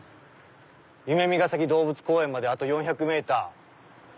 「夢見ヶ崎動物公園まであと４００ｍ」。